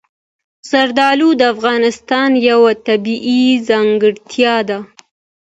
زردالو د افغانستان یوه طبیعي ځانګړتیا ده.